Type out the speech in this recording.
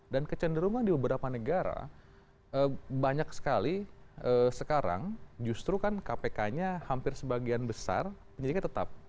dan kecenderungan di beberapa negara banyak sekali sekarang justru kan kpk nya hampir sebagian besar penyidiknya tetap